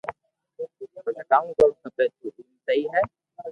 پسي ڪاو ُ ڪروُ کپي تو ايم سھي ھي